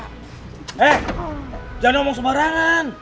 hei jangan omong sebarangan